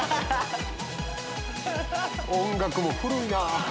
音楽も古いな。